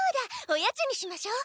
おやつにしましょう！